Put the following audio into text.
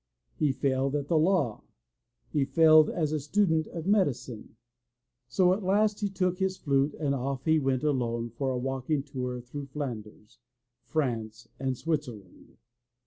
He failed at the law; he failed as a student of medicine. So at last he took his flute and off he went alone for a walking tour through Flanders, France and Switzerland.